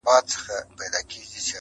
زه په دې خپل سركــي اوبـــه څـــښـمــه.